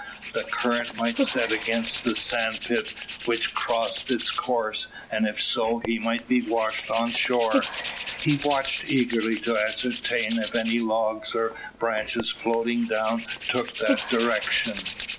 The current might set against the sandspit which crossed its course, and if so, he might be washed on shore. He watched eagerly to ascertain if any logs or branches floating down took that direction.